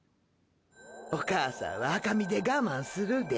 お母さんは赤身で我慢するで。